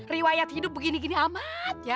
riwayat hidup begini gini amat ya